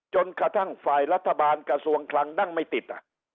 จนกระทั่งฝ่ายรัฐบาลกระทรวงคลังนั่งไม่ติด